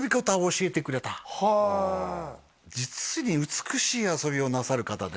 へえ実に美しい遊びをなさる方でね